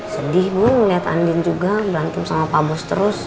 sedih memang melihat andin juga berantem sama pak bos terus